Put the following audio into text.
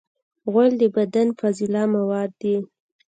غول د بدن فاضله مواد دي.